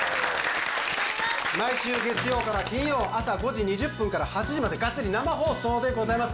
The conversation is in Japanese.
毎週月曜から金曜朝５時２０分から８時までがっつり生放送でございます